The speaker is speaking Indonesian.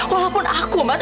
walaupun aku mas